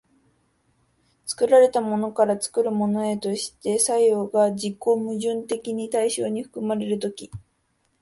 作られたものから作るものへとして作用が自己矛盾的に対象に含まれる時、